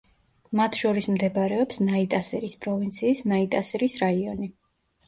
მათ შორის მდებარეობს ნაიტასირის პროვინციის ნაიტასირის რაიონი.